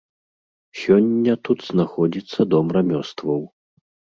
Сёння тут знаходзіцца дом рамёстваў.